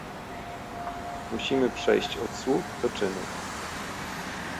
Musimy przejść od słów do czynów